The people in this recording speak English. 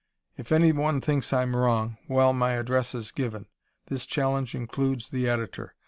If anyone thinks I'm wrong well my address is given. This challenge includes the editor.